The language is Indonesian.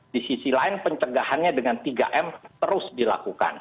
di sisi lain pencegahannya dengan tiga m terus dilakukan